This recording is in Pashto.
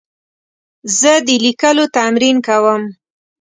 زه د لیکلو تمرین کوم.